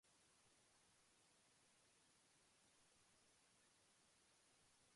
According to this theory, aggression is a result of unresolved conflicts and repressed desires.